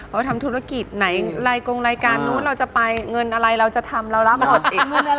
เราทำธุรกิจไหนรายกงรายการนู้นเราจะไปเงินอะไรเราจะทำเรารับออกเอง